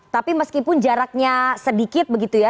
tapi meskipun jaraknya sedikit begitu ya